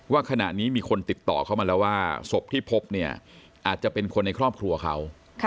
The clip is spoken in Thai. ว่าขณะนี้มีคนติดต่อเข้ามาแล้วว่าศพที่พบเนี่ยอาจจะเป็นคนในครอบครัวเขา